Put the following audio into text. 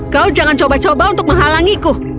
kau jangan coba coba untuk menghalangiku